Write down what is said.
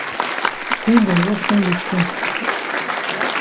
Yi go worsen de tin.